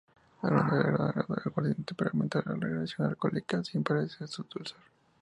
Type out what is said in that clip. Algunos le agregan aguardiente para aumentar la graduación alcohólica sin perder su dulzor.